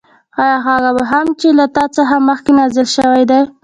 او په هغه هم چې له تا څخه مخكي نازل شوي دي